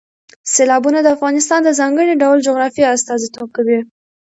سیلابونه د افغانستان د ځانګړي ډول جغرافیې استازیتوب کوي.